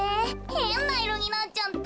へんないろになっちゃった。